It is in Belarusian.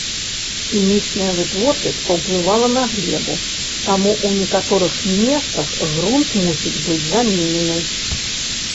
Хімічная вытворчасць паўплывала на глебу, таму ў некаторых месцах грунт мусіць быць заменены.